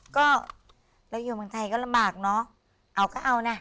ก็แล้วอยู่บางทายก็ละบากเนาะเอาก็เอานะ